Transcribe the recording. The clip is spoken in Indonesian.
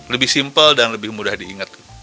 lebih simpel dan lebih mudah diingat